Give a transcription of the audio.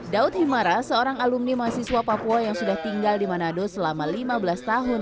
daud himara seorang alumni mahasiswa papua yang sudah tinggal di manado selama lima belas tahun